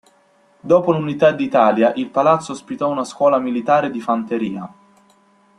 Dopo l'Unità d'Italia il palazzo ospitò una Scuola Militare di Fanteria.